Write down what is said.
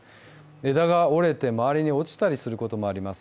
枝が折れて、周りに落ちたりすることもあります。